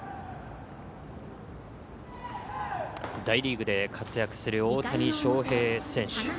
大リーグで活躍する大谷翔平選手。